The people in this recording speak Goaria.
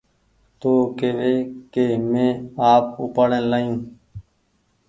تو ڪيوي ڪي مينٚ آپ اُپآڙين لآيو